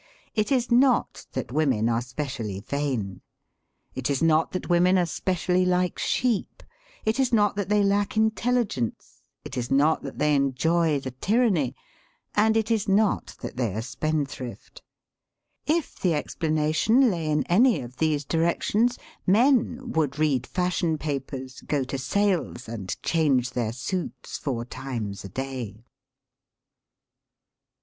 It is not that women are spe cially vain. It is not that women are specially like sheep. It is not that they lack intelligence. It is not that they enjoy the tyranny. And it is not that they are spendthrift. If the explana tion lay in any of these directions men would read fashion papers, go to sales, and change their suits four times a day.